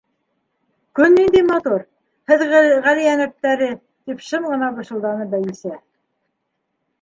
—Көн ниндәй матур, һеҙ Ғали Йәнәптәре, —тип шым ғына бышылданы Байбисә.